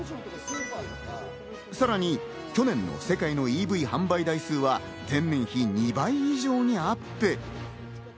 さらに去年の世界のＥＶ販売台数は前年比２倍以上にアップ。